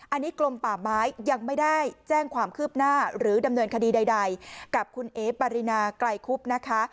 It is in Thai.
อันนี้กลมป่าไม้ยังไม่ได้แจ้งความคืบหน้าหรือดำเนินคดีใดกับคุณเอ๋ปารินาไกลคุบนะคะ